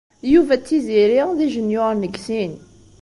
Yuba d Tiziri d ijenyuṛen deg sin.